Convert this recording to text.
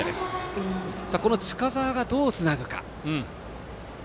この近澤がどうつなぐか。